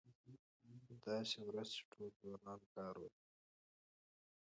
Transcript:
داسې ورځ چې ټول ځوانان کار ولري.